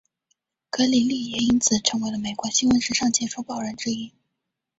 格里利也因此成为了美国新闻史上杰出报人之一。